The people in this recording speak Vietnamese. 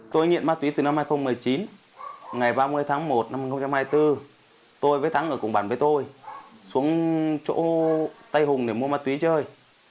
tôi nghiện ma túy từ năm hai nghìn một mươi chín ngày ba mươi tháng một năm hai nghìn hai mươi bốn tôi với thắng ở cùng bản với tôi xuống chỗ tây hùng để mua ma túy chơi